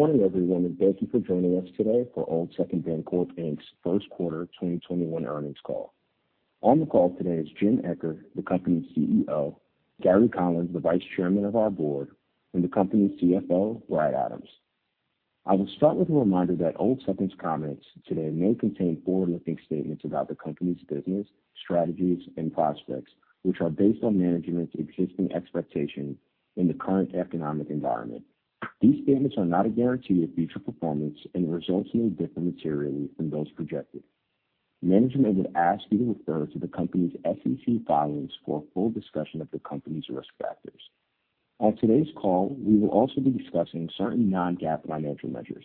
Good morning, everyone, and thank you for joining us today for Old Second Bancorp, Inc's first quarter 2021 earnings call. On the call today is James Eccher, the company's CEO, Gary Collins, the Vice Chairman of our Board, and the company's CFO, Bradley Adams. I will start with a reminder that Old Second's comments today may contain forward-looking statements about the company's business, strategies, and prospects, which are based on management's existing expectation in the current economic environment. These statements are not a guarantee of future performance and results may differ materially from those projected. Management would ask you to refer to the company's SEC filings for a full discussion of the company's risk factors. On today's call, we will also be discussing certain non-GAAP financial measures.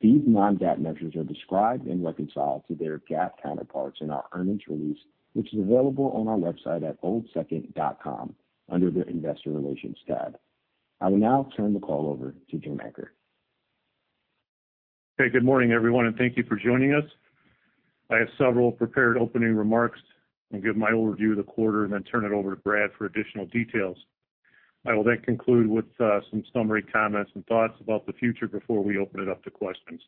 These non-GAAP measures are described and reconciled to their GAAP counterparts in our earnings release, which is available on our website at oldsecond.com under the Investor Relations tab. I will now turn the call over to Jim Eccher. Okay. Good morning, everyone, and thank you for joining us. I have several prepared opening remarks. I'll give my overview of the quarter and then turn it over to Brad for additional details. I will conclude with some summary comments and thoughts about the future before we open it up to questions.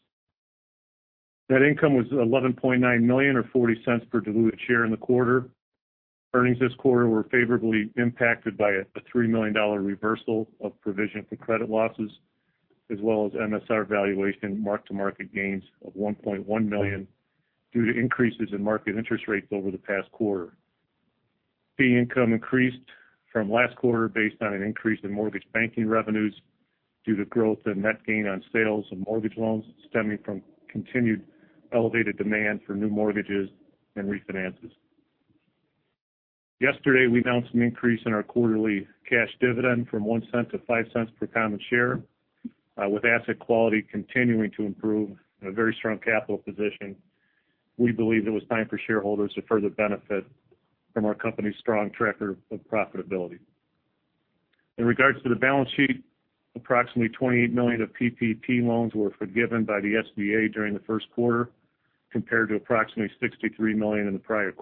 Net income was $11.9 million, or $0.40 per diluted share in the quarter. Earnings this quarter were favorably impacted by a $3 million reversal of provision for credit losses, as well as MSR valuation mark-to-market gains of $1.1 million due to increases in market interest rates over the past quarter. Fee income increased from last quarter based on an increase in mortgage banking revenues due to growth in net gain on sales of mortgage loans, stemming from continued elevated demand for new mortgages and refinances. Yesterday, we announced an increase in our quarterly cash dividend from $0.01-$0.05 per common share. With asset quality continuing to improve and a very strong capital position, we believe it was time for shareholders to further benefit from our company's strong track record of profitability. In regards to the balance sheet, approximately $28 million of PPP loans were forgiven by the SBA during the first quarter, compared to approximately $63 million in the prior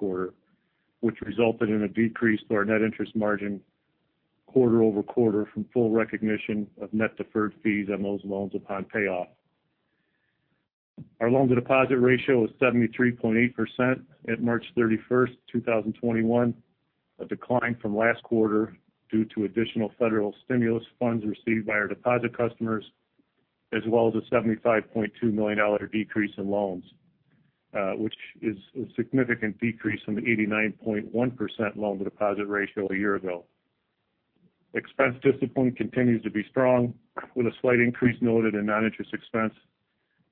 quarter, which resulted in a decrease to our net interest margin quarter-over-quarter from full recognition of net deferred fees on those loans upon payoff. Our loan-to-deposit ratio was 73.8% at March 31st, 2021, a decline from last quarter due to additional federal stimulus funds received by our deposit customers, as well as a $75.2 million decrease in loans, which is a significant decrease from the 89.1% loan-to-deposit ratio a year ago. Expense discipline continues to be strong, with a slight increase noted in non-interest expense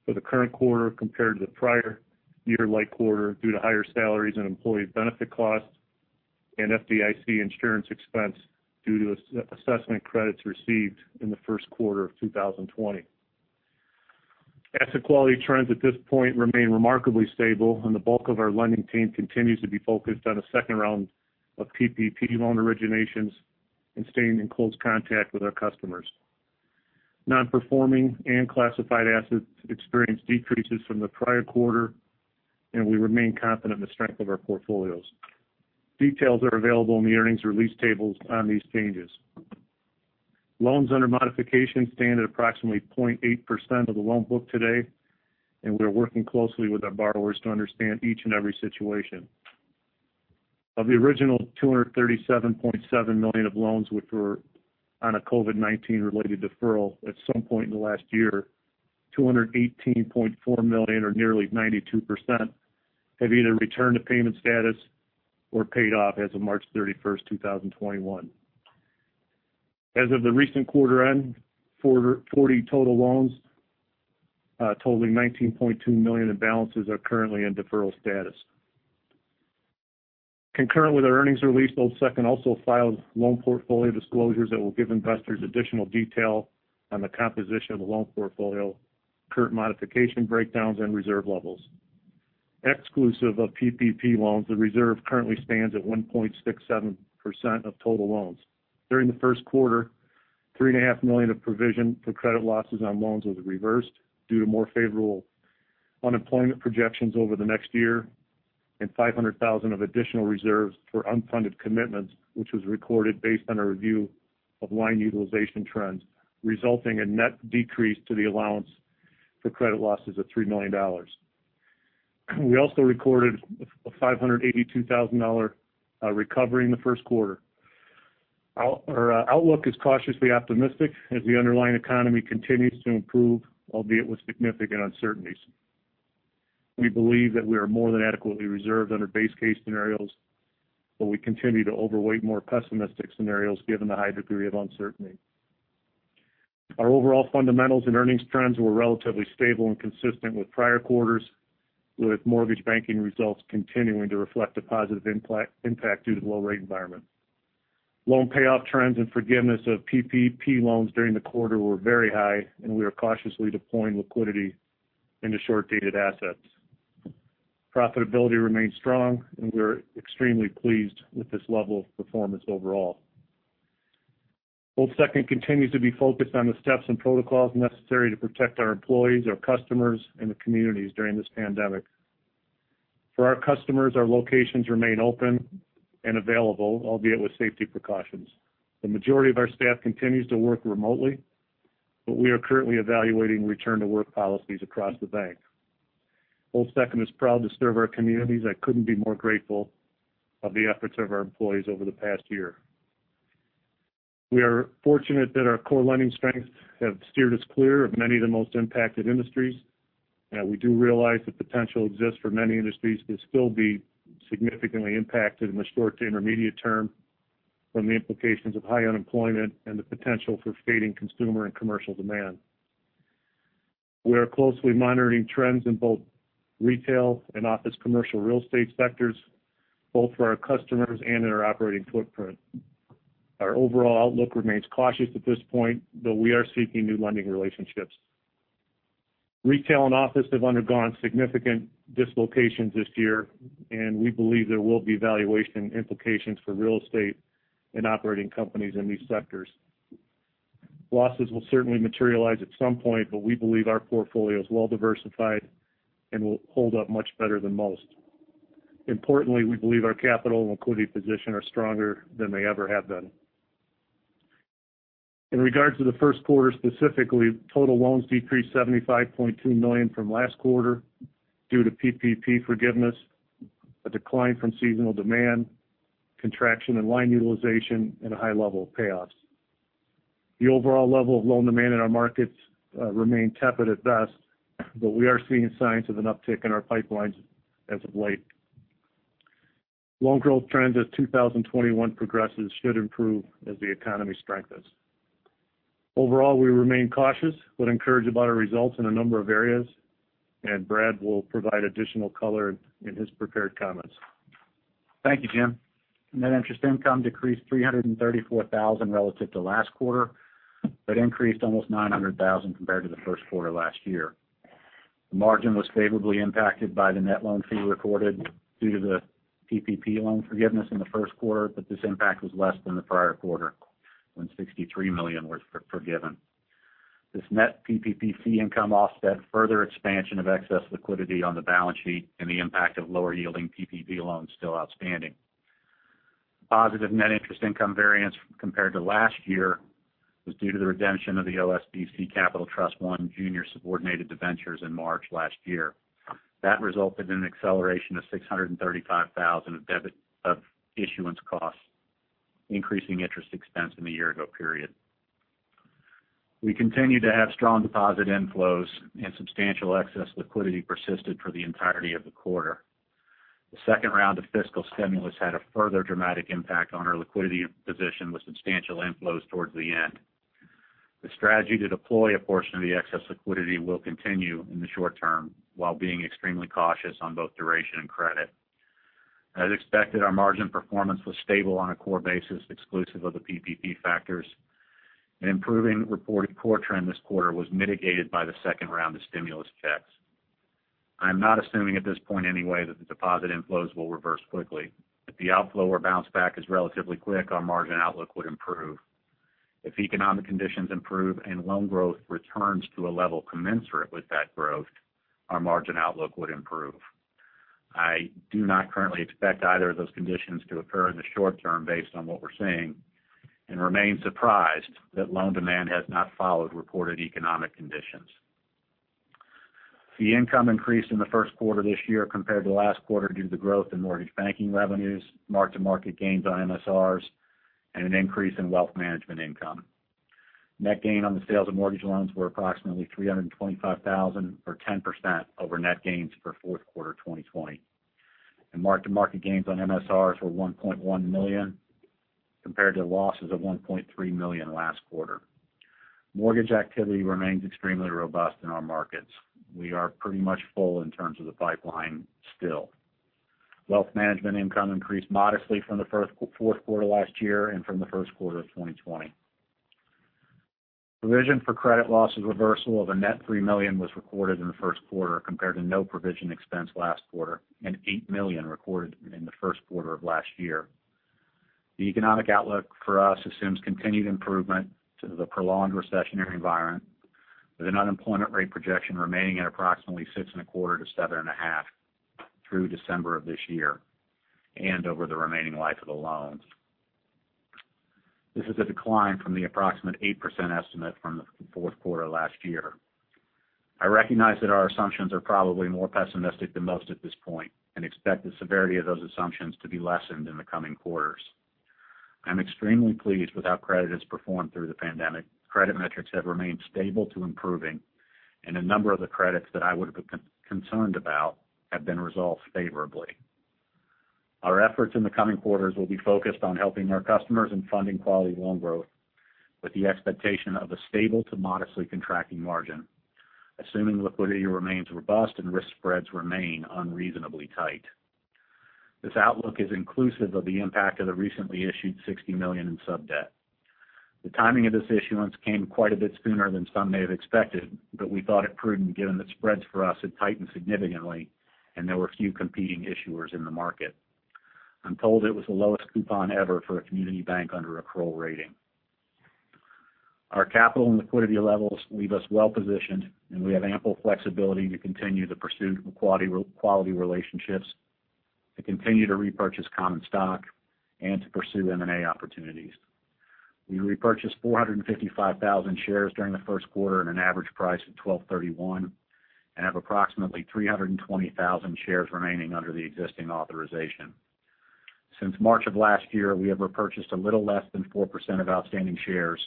for the current quarter compared to the prior-year-like quarter due to higher salaries and employee benefit costs and FDIC insurance expense due to assessment credits received in the first quarter of 2020. Asset quality trends at this point remain remarkably stable, and the bulk of our lending team continues to be focused on a second round of PPP loan originations and staying in close contact with our customers. Non-performing and classified assets experienced decreases from the prior quarter, and we remain confident in the strength of our portfolios. Details are available in the earnings release tables on these changes. Loans under modification stand at approximately 0.8% of the loan book today, and we are working closely with our borrowers to understand each and every situation. Of the original $237.7 million of loans which were on a COVID-19 related deferral at some point in the last year, $218.4 million or nearly 92% have either returned to payment status or paid off as of March 31st, 2021. As of the recent quarter end, 40 total loans totaling $19.2 million in balances are currently in deferral status. Concurrent with our earnings release, Old Second also filed loan portfolio disclosures that will give investors additional detail on the composition of the loan portfolio, current modification breakdowns, and reserve levels. Exclusive of PPP loans, the reserve currently stands at 1.67% of total loans. During the first quarter, three and a half million of provision for credit losses on loans was reversed due to more favorable unemployment projections over the next year and $500,000 of additional reserves for unfunded commitments, which was recorded based on a review of line utilization trends, resulting in net decrease to the allowance for credit losses of $3 million. We also recorded a $582,000 recovery in the first quarter. Our outlook is cautiously optimistic as the underlying economy continues to improve, albeit with significant uncertainties. We believe that we are more than adequately reserved under base case scenarios, but we continue to overweight more pessimistic scenarios given the high degree of uncertainty. Our overall fundamentals and earnings trends were relatively stable and consistent with prior quarters, with mortgage banking results continuing to reflect a positive impact due to the low rate environment. Loan payoff trends and forgiveness of PPP loans during the quarter were very high. We are cautiously deploying liquidity into short-dated assets. Profitability remains strong. We're extremely pleased with this level of performance overall. Old Second continues to be focused on the steps and protocols necessary to protect our employees, our customers, and the communities during this pandemic. For our customers, our locations remain open and available, albeit with safety precautions. The majority of our staff continues to work remotely. We are currently evaluating return-to-work policies across the bank. Old Second is proud to serve our communities. I couldn't be more grateful of the efforts of our employees over the past year. We are fortunate that our core lending strengths have steered us clear of many of the most impacted industries. We do realize the potential exists for many industries to still be significantly impacted in the short to intermediate term from the implications of high unemployment and the potential for fading consumer and commercial demand. We are closely monitoring trends in both retail and office commercial real estate sectors, both for our customers and in our operating footprint. Our overall outlook remains cautious at this point, though we are seeking new lending relationships. Retail and office have undergone significant dislocations this year, and we believe there will be valuation implications for real estate and operating companies in these sectors. Losses will certainly materialize at some point, but we believe our portfolio is well-diversified and will hold up much better than most. Importantly, we believe our capital and liquidity position are stronger than they ever have been. In regards to the first quarter, specifically, total loans decreased $75.2 million from last quarter due to PPP forgiveness, a decline from seasonal demand, contraction in line utilization, and a high level of payoffs. The overall level of loan demand in our markets remain tepid at best, but we are seeing signs of an uptick in our pipelines as of late. Loan growth trends as 2021 progresses should improve as the economy strengthens. Overall, we remain cautious but encouraged about our results in a number of areas, and Brad will provide additional color in his prepared comments. Thank you, Jim. Net interest income decreased $334,000 relative to last quarter, but increased almost $900,000 compared to the first quarter last year. The margin was favorably impacted by the net loan fee recorded due to the PPP loan forgiveness in the first quarter, but this impact was less than the prior quarter when $63 million was forgiven. This net PPP fee income offset further expansion of excess liquidity on the balance sheet and the impact of lower yielding PPP loans still outstanding. That resulted in an acceleration of $635,000 of issuance costs, increasing interest expense in the year-ago period. We continue to have strong deposit inflows, and substantial excess liquidity persisted for the entirety of the quarter. The second round of fiscal stimulus had a further dramatic impact on our liquidity position, with substantial inflows towards the end. The strategy to deploy a portion of the excess liquidity will continue in the short term while being extremely cautious on both duration and credit. As expected, our margin performance was stable on a core basis exclusive of the PPP factors. An improving reported core trend this quarter was mitigated by the second round of stimulus checks. I am not assuming at this point anyway that the deposit inflows will reverse quickly. If the outflow or bounce back is relatively quick, our margin outlook would improve. If economic conditions improve and loan growth returns to a level commensurate with that growth, our margin outlook would improve. I do not currently expect either of those conditions to occur in the short term based on what we're seeing, and remain surprised that loan demand has not followed reported economic conditions. The income increase in the first quarter this year compared to last quarter due to the growth in mortgage banking revenues, mark-to-market gains on MSRs, and an increase in wealth management income. Net gain on the sales of mortgage loans were approximately $325,000, or 10% over net gains for fourth quarter 2020, and mark-to-market gains on MSRs were $1.1 million compared to losses of $1.3 million last quarter. Mortgage activity remains extremely robust in our markets. We are pretty much full in terms of the pipeline still. Wealth management income increased modestly from the fourth quarter last year and from the first quarter of 2020. Provision for credit losses reversal of a net $3 million was recorded in the first quarter compared to no provision expense last quarter and $8 million recorded in the first quarter of last year. The economic outlook for us assumes continued improvement to the prolonged recessionary environment, with an unemployment rate projection remaining at approximately 6.25%-7.5% through December of this year and over the remaining life of the loans. This is a decline from the approximate 8% estimate from the fourth quarter last year. I recognize that our assumptions are probably more pessimistic than most at this point and expect the severity of those assumptions to be lessened in the coming quarters. I'm extremely pleased with how credit has performed through the pandemic. Credit metrics have remained stable to improving. A number of the credits that I would've been concerned about have been resolved favorably. Our efforts in the coming quarters will be focused on helping our customers and funding quality loan growth with the expectation of a stable to modestly contracting margin, assuming liquidity remains robust and risk spreads remain unreasonably tight. This outlook is inclusive of the impact of the recently issued $60 million in sub-debt. The timing of this issuance came quite a bit sooner than some may have expected, but we thought it prudent given that spreads for us had tightened significantly and there were few competing issuers in the market. I'm told it was the lowest coupon ever for a community bank under a Kroll rating. Our capital and liquidity levels leave us well positioned, and we have ample flexibility to continue the pursuit of quality relationships, to continue to repurchase common stock, and to pursue M&A opportunities. We repurchased 455,000 shares during the first quarter at an average price of $12.31 and have approximately 320,000 shares remaining under the existing authorization. Since March of last year, we have repurchased a little less than 4% of outstanding shares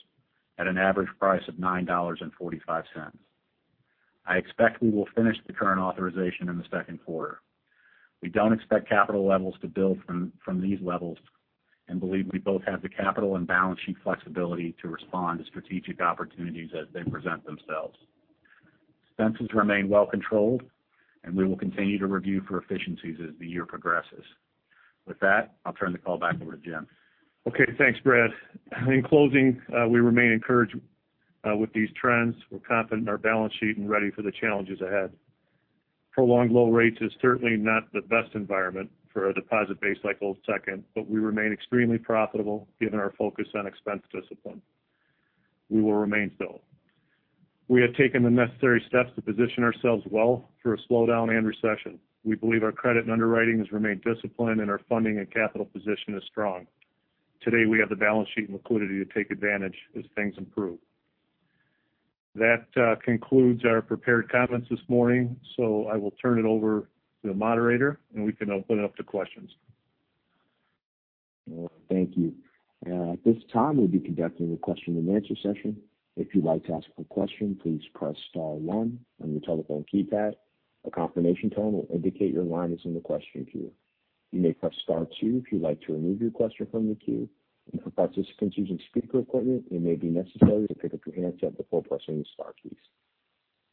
at an average price of $9.45. I expect we will finish the current authorization in the second quarter. We don't expect capital levels to build from these levels and believe we both have the capital and balance sheet flexibility to respond to strategic opportunities as they present themselves. Expenses remain well controlled, and we will continue to review for efficiencies as the year progresses. With that, I'll turn the call back over to Jim. Okay. Thanks, Brad. In closing, we remain encouraged with these trends. We're confident in our balance sheet and ready for the challenges ahead. Prolonged low rates is certainly not the best environment for a deposit base like Old Second. We remain extremely profitable given our focus on expense discipline. We will remain so. We have taken the necessary steps to position ourselves well for a slowdown and recession. We believe our credit and underwriting has remained disciplined and our funding and capital position is strong. Today, we have the balance sheet and liquidity to take advantage as things improve. That concludes our prepared comments this morning. I will turn it over to the moderator, and we can open up to questions. Well, thank you. At this time, we'll be conducting a question and answer session. If you'd like to ask a question, please press star one on your telephone keypad. A confirmation tone will indicate your line is in the question queue. You may press star two if you'd like to remove your question from the queue. For participants using speaker equipment, it may be necessary to pick up your handset before pressing the star keys.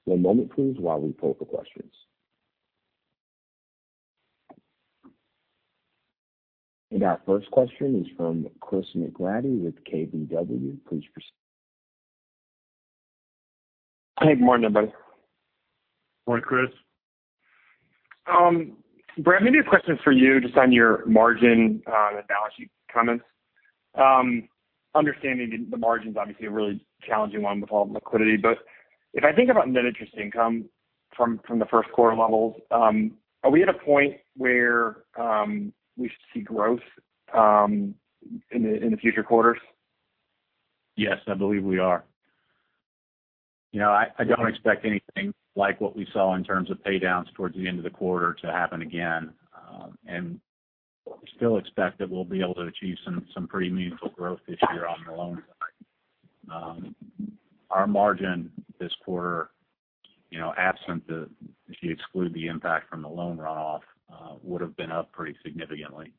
One moment, please, while we poll for questions. Our first question is from Christopher McGratty with KBW. Please proceed. Hey, good morning, everybody. Morning, Chris. Brad, maybe a question for you just on your margin and balance sheet comments. Understanding the margin's obviously a really challenging one with all the liquidity. If I think about net interest income from the first quarter levels, are we at a point where we should see growth in the future quarters? Yes, I believe we are. I don't expect anything like what we saw in terms of pay downs towards the end of the quarter to happen again. We still expect that we'll be able to achieve some pretty meaningful growth this year on the loan side. Our margin this quarter, if you exclude the impact from the loan runoff, would've been up pretty significantly.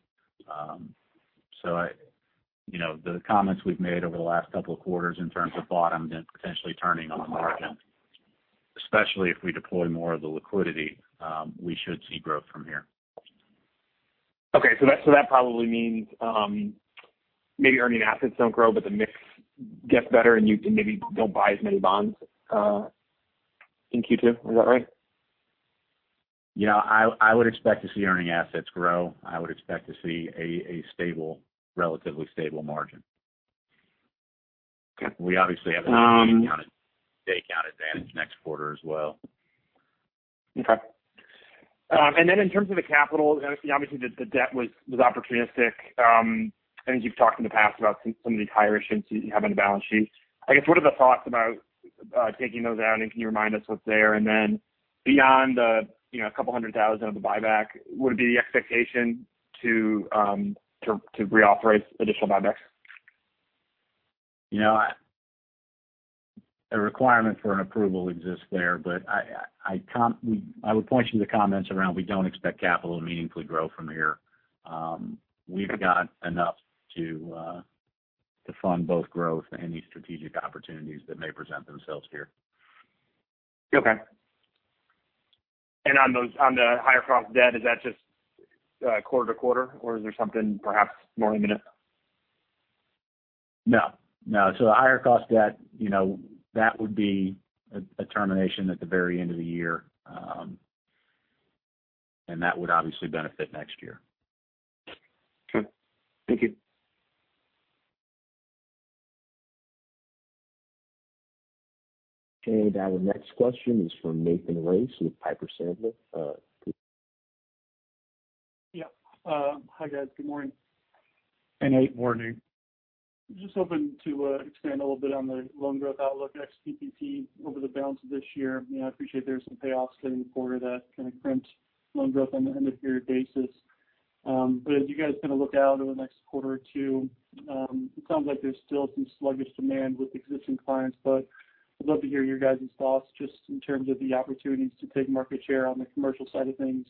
The comments we've made over the last couple of quarters in terms of bottom then potentially turning on the margin, especially if we deploy more of the liquidity, we should see growth from here. Okay. That probably means maybe earning assets don't grow, but the mix gets better and maybe don't buy as many bonds in Q2. Is that right? I would expect to see earning assets grow. I would expect to see a relatively stable margin. Okay. We obviously have a count advantage next quarter as well. Okay. In terms of the capital, obviously the debt was opportunistic. I think you've talked in the past about some of these higher issuance you have on the balance sheet. I guess, what are the thoughts about taking those out, and can you remind us what's there? Beyond the couple hundred thousand of the buyback, would it be the expectation to reauthorize additional buybacks? A requirement for an approval exists there, but I would point you to comments around we don't expect capital to meaningfully grow from here. We've got enough to fund both growth and any strategic opportunities that may present themselves here. Okay. On the higher cost debt, is that just quarter to quarter, or is there something perhaps more imminent? No. The higher cost debt, that would be a termination at the very end of the year. That would obviously benefit next year. Okay. Thank you. Okay, our next question is from Nathan Race with Piper Sandler. Yeah. Hi, guys. Good morning. Hey, morning. Just hoping to expand a little bit on the loan growth outlook, ex-PPP over the balance of this year. I appreciate there's some payoffs late in the quarter that kind of crimped loan growth on an end of period basis. As you guys kind of look out over the next quarter or two, it sounds like there's still some sluggish demand with existing clients, but I'd love to hear your guys' thoughts just in terms of the opportunities to take market share on the commercial side of things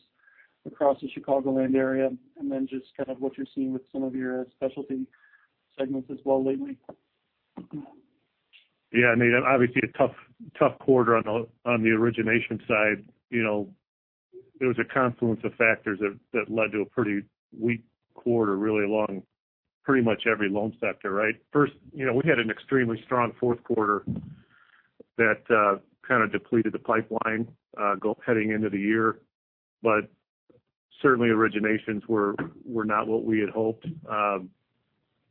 across the Chicago land area and then just kind of what you're seeing with some of your specialty segments as well lately. Yeah, Nathan, obviously a tough quarter on the origination side. There was a confluence of factors that led to a pretty weak quarter really along pretty much every loan sector, right? First, we had an extremely strong fourth quarter that kind of depleted the pipeline heading into the year. Certainly, originations were not what we had hoped.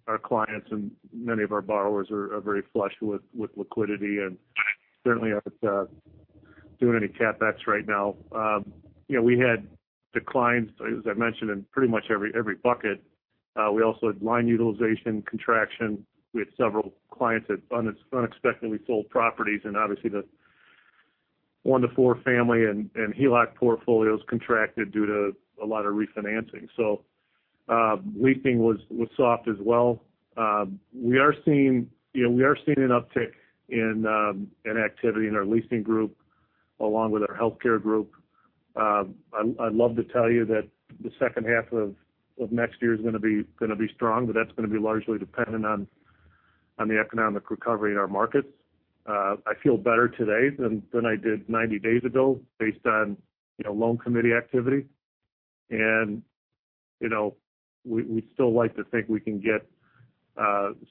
Our clients and many of our borrowers are very flush with liquidity, and certainly aren't doing any CapEx right now. We had declines, as I mentioned, in pretty much every bucket. We also had line utilization contraction with several clients that unexpectedly sold properties, and obviously the one to four family and HELOC portfolios contracted due to a lot of refinancing. Leasing was soft as well. We are seeing an uptick in activity in our leasing group along with our healthcare group. I'd love to tell you that the second half of next year is going to be strong, but that's going to be largely dependent on the economic recovery in our markets. I feel better today than I did 90 days ago based on loan committee activity. We'd still like to think we can get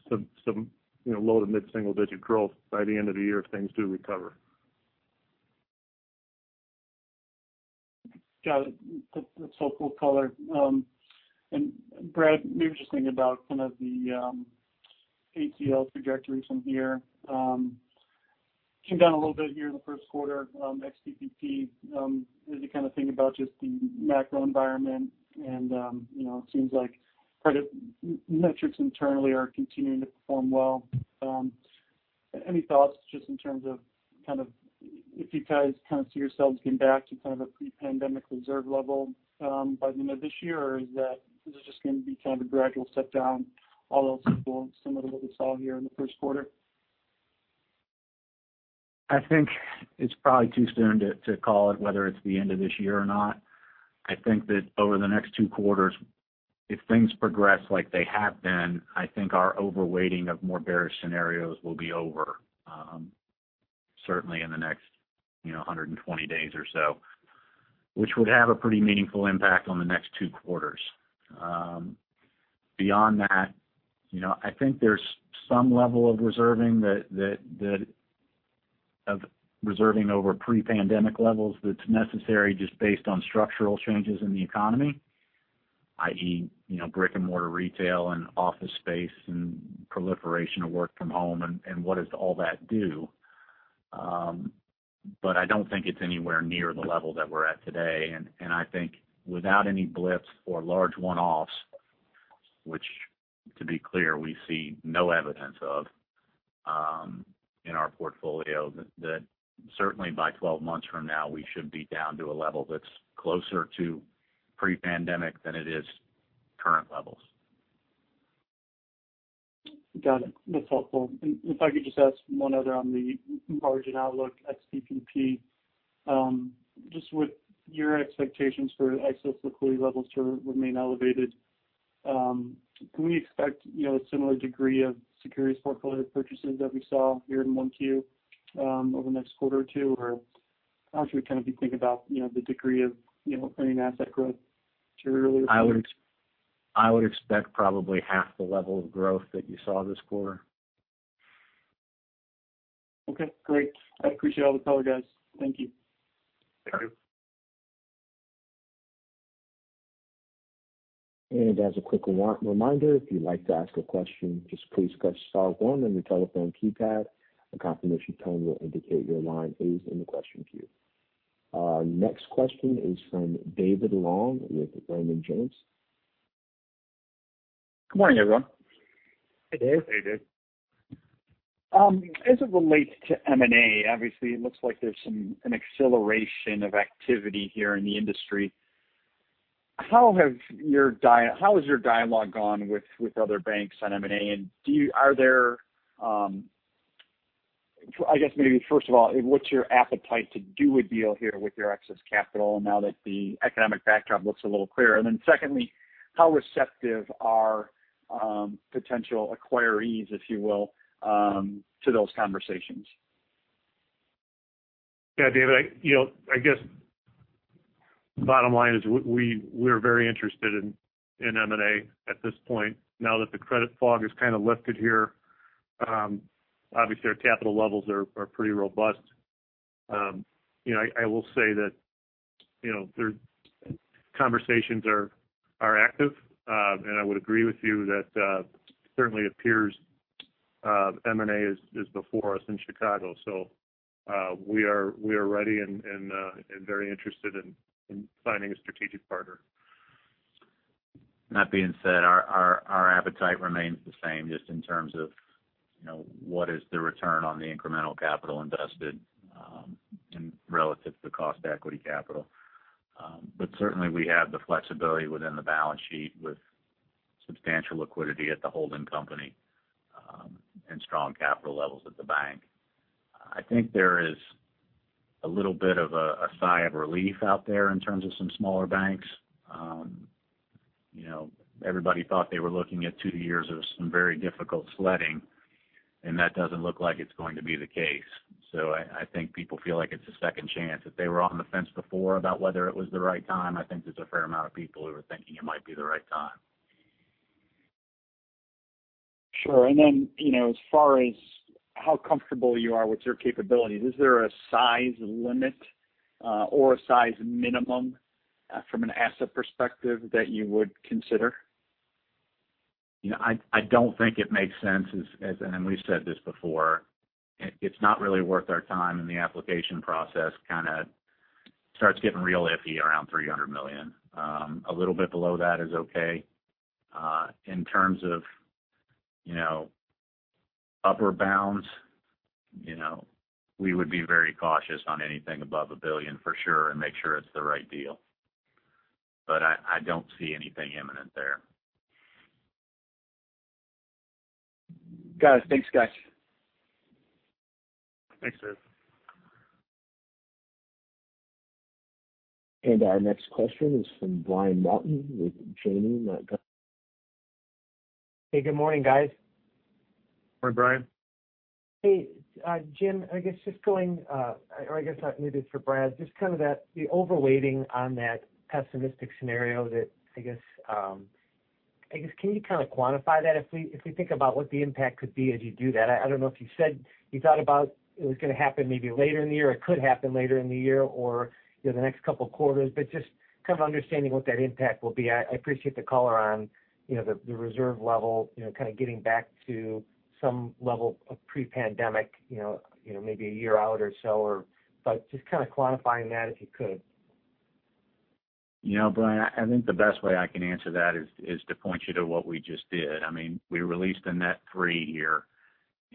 some low to mid-single-digit growth by the end of the year if things do recover. Got it. That's helpful color. Brad, maybe just thinking about kind of the ACL trajectory from here. Came down a little bit here in the first quarter. ex-PPP, as you kind of think about just the macro environment and it seems like credit metrics internally are continuing to perform well. Any thoughts just in terms of if you guys kind of see yourselves getting back to kind of a pre-pandemic reserve level by the end of this year? Or is this just going to be kind of a gradual step down, all else equal, similar to what we saw here in the first quarter? I think it's probably too soon to call it whether it's the end of this year or not. I think over the next two quarters, if things progress like they have been, I think our overweighting of more bearish scenarios will be over. Certainly in the next 120 days or so. Which would have a pretty meaningful impact on the next two quarters. Beyond that, I think there's some level of reserving over pre-pandemic levels that's necessary just based on structural changes in the economy, i.e., brick-and-mortar retail and office space and proliferation of work from home and what does all that do. I don't think it's anywhere near the level that we're at today. I think without any blips or large one-offs, which to be clear, we see no evidence of in our portfolio, that certainly by 12 months from now, we should be down to a level that's closer to pre-pandemic than it is current levels. Got it. That's helpful. If I could just ask one other on the margin outlook ex-PPP. Just with your expectations for excess liquidity levels to remain elevated, can we expect a similar degree of securities portfolio purchases that we saw here in 1Q over the next quarter or two? How should we kind of be thinking about the degree of earning asset growth materially? I would expect probably half the level of growth that you saw this quarter. Okay, great. I appreciate all the color, guys. Thank you. Thank you. As a quick reminder, if you'd like to ask a question, just please press star one on your telephone keypad. A confirmation tone will indicate your line is in the question queue. Our next question is from David Long with Raymond James. Good morning, everyone. Hey, Dave. Hey, Dave. As it relates to M&A, obviously it looks like there's an acceleration of activity here in the industry. How has your dialogue gone with other banks on M&A? I guess maybe first of all, what's your appetite to do a deal here with your excess capital now that the economic backdrop looks a little clearer? Secondly, how receptive are potential acquirees, if you will, to those conversations? Yeah, David, I guess the bottom line is we're very interested in M&A at this point now that the credit fog has kind of lifted here. Obviously, our capital levels are pretty robust. I will say that conversations are active. I would agree with you that certainly appears M&A is before us in Chicago. We are ready and very interested in finding a strategic partner. That being said, our appetite remains the same, just in terms of what is the return on the incremental capital invested and relative to cost to equity capital. Certainly, we have the flexibility within the balance sheet with substantial liquidity at the holding company, and strong capital levels at the bank. I think there is a little bit of a sigh of relief out there in terms of some smaller banks. Everybody thought they were looking at two years of some very difficult sledding, and that doesn't look like it's going to be the case. I think people feel like it's a second chance. If they were on the fence before about whether it was the right time, I think there's a fair amount of people who are thinking it might be the right time. Sure. As far as how comfortable you are with your capabilities, is there a size limit or a size minimum from an asset perspective that you would consider? I don't think it makes sense, and we've said this before. It's not really worth our time, and the application process kind of starts getting real iffy around $300 million. A little bit below that is okay. In terms of upper bounds, we would be very cautious on anything above $1 billion for sure, and make sure it's the right deal. I don't see anything imminent there. Got it. Thanks, guys. Thanks, sir. Our next question is from Brian Martin with Janney. Hey, good morning, guys. Morning, Brian. Hey, Jim, I guess maybe it's for Brad. Just kind of that, the overweighting on that pessimistic scenario that, can you kind of quantify that? If we think about what the impact could be as you do that, I don't know if you said you thought about it was going to happen maybe later in the year, or could happen later in the year, or the next couple of quarters, but just kind of understanding what that impact will be. I appreciate the color on the reserve level, kind of getting back to some level of pre-pandemic, maybe a year out or so, but just kind of quantifying that if you could. Brian, I think the best way I can answer that is to point you to what we just did. We released a net three here,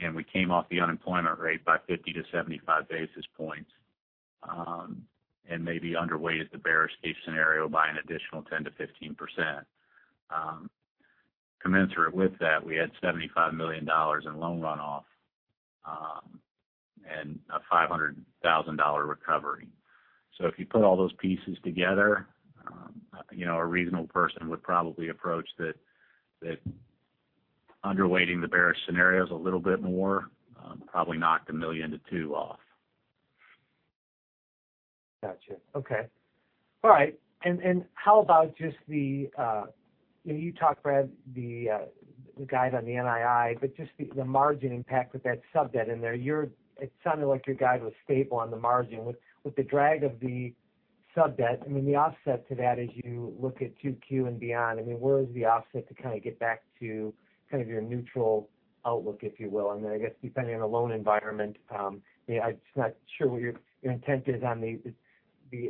and we came off the unemployment rate by 50-75 basis points, and maybe underweighted the bearish case scenario by an additional 10%-15%. Commensurate with that, we had $75 million in loan runoff, and a $500,000 recovery. If you put all those pieces together, a reasonable person would probably approach that under weighting the bearish scenarios a little bit more, probably knocked $1 million-$2 million off. Got you. Okay. All right. How about just the-- you talked, Brad, the guide on the NII, but just the margin impact with that sub-debt in there. It sounded like your guide was stable on the margin with the drag of the sub-debt. The offset to that as you look at 2Q and beyond, where is the offset to kind of get back to your neutral outlook, if you will? Then I guess depending on the loan environment, I'm just not sure what your intent is on the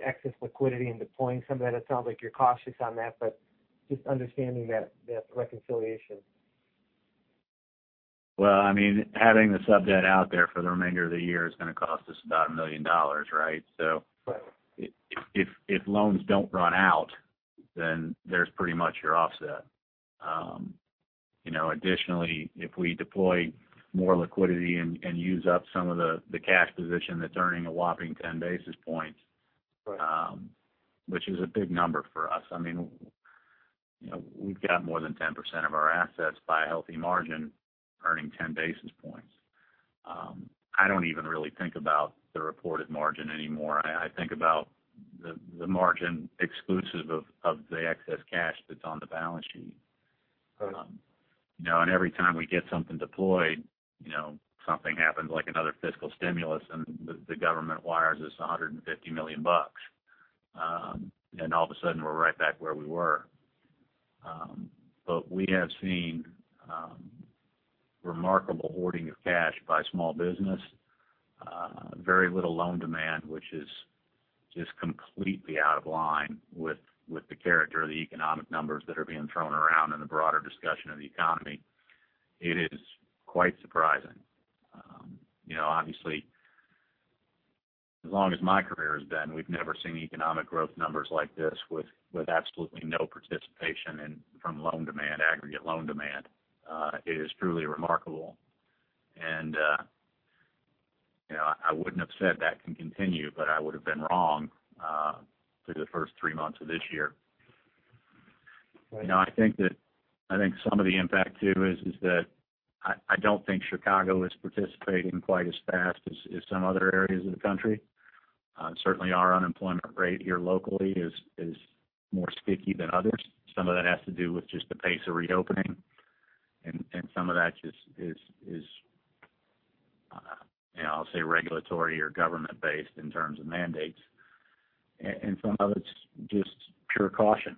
excess liquidity and deploying some of that. It sounds like you're cautious on that, but just understanding that reconciliation. Well, having the sub-debt out there for the remainder of the year is going to cost us about $1 million, right? Right if loans don't run out, then there's pretty much your offset. Additionally, if we deploy more liquidity and use up some of the cash position that's earning a whopping ten basis points. Right which is a big number for us. We've got more than 10% of our assets by a healthy margin earning 10 basis points. I don't even really think about the reported margin anymore. I think about the margin exclusive of the excess cash that's on the balance sheet. Right. Every time we get something deployed, something happens, like another fiscal stimulus, and the government wires us $150 million. All of a sudden, we're right back where we were. We have seen remarkable hoarding of cash by small business. Very little loan demand, which is just completely out of line with the character of the economic numbers that are being thrown around in the broader discussion of the economy. It is quite surprising. Obviously, as long as my career has been, we've never seen economic growth numbers like this with absolutely no participation from loan demand, aggregate loan demand. It is truly remarkable. I wouldn't have said that can continue, but I would've been wrong through the first three months of this year. Right. I think some of the impact too, is that I don't think Chicago is participating quite as fast as some other areas of the country. Certainly, our unemployment rate here locally is more sticky than others. Some of that has to do with just the pace of reopening, and some of that just is, I'll say regulatory or government based in terms of mandates. Some of it's just pure caution.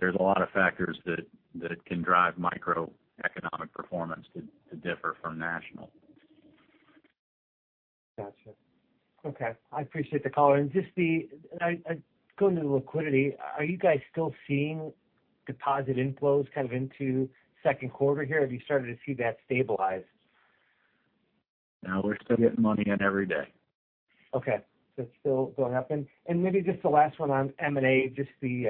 There's a lot of factors that can drive microeconomic performance to differ from national. Got you. Okay. I appreciate the color. Just going to the liquidity, are you guys still seeing deposit inflows kind of into second quarter here, or have you started to see that stabilize? No, we're still getting money in every day. Okay. It's still going up. Maybe just the last one on M&A, just the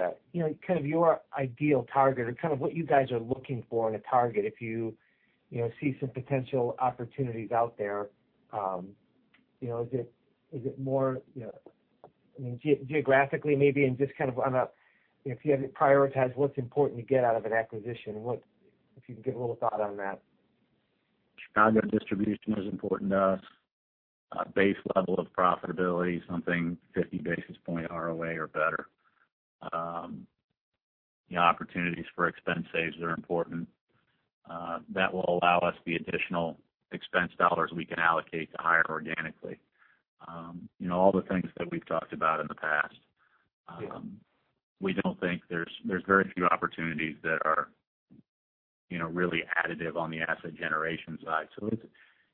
kind of your ideal target or kind of what you guys are looking for in a target if you see some potential opportunities out there. Is it more geographically, maybe in just kind of if you had to prioritize what's important to get out of an acquisition, if you can give a little thought on that. Chicago distribution is important to us. Base level of profitability, something 50 basis point ROA or better. The opportunities for expense saves are important. That will allow us the additional expense dollars we can allocate to hire organically. All the things that we've talked about in the past. Yeah. We don't think there's very few opportunities that are really additive on the asset generation side.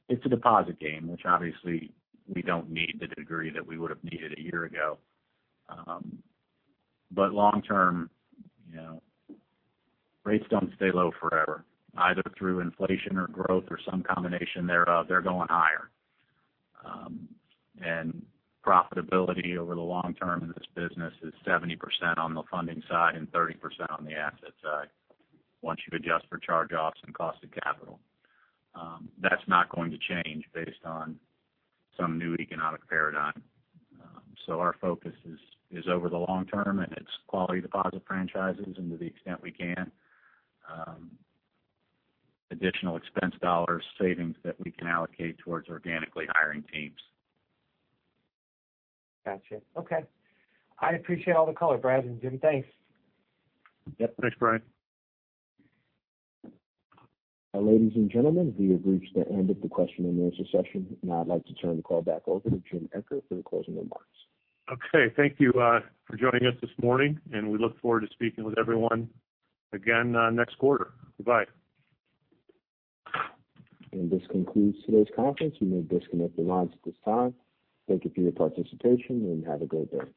It's a deposit game, which obviously we don't need the degree that we would've needed a year ago. Long term, rates don't stay low forever. Either through inflation or growth or some combination thereof, they're going higher. Profitability over the long term in this business is 70% on the funding side and 30% on the asset side. Once you've adjust for charge-offs and cost of capital. That's not going to change based on some new economic paradigm. Our focus is over the long term, and it's quality deposit franchises, and to the extent we can, additional expense dollars, savings that we can allocate towards organically hiring teams. Got you. Okay. I appreciate all the color, Brad and Jim. Thanks. Yep. Thanks, Brian. Ladies and gentlemen, we have reached the end of the question and answer session. Now I'd like to turn the call back over to Jim Eccher for the closing remarks. Okay. Thank you for joining us this morning, and we look forward to speaking with everyone again next quarter. Goodbye. This concludes today's conference. You may disconnect your lines at this time. Thank you for your participation, and have a great day.